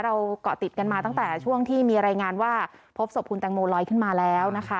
เกาะติดกันมาตั้งแต่ช่วงที่มีรายงานว่าพบศพคุณแตงโมลอยขึ้นมาแล้วนะคะ